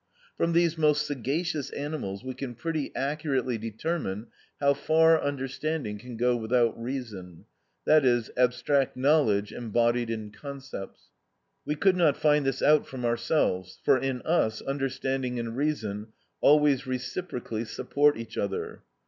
From these most sagacious animals, we can pretty accurately determine how far understanding can go without reason, i.e., abstract knowledge embodied in concepts. We could not find this out from ourselves, for in us understanding and reason always reciprocally support each other.